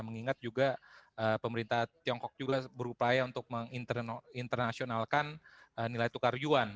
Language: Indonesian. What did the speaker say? mengingat juga pemerintah tiongkok juga berupaya untuk menginternasionalkan nilai tukar yuan